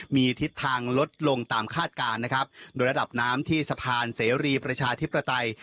มีทิศทางลดลงตามคาดการณ์นะครับโดยระดับน้ำที่สะพานเสรีประชาธิปไตย